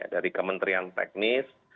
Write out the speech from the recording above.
dari kementerian teknis